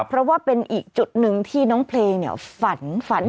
เพราะว่าเป็นอีกจุดหนึ่งที่น้องเพลงฝันฝัน